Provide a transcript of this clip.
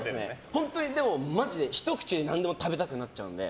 本当にマジで何でも食べたくなっちゃうんで。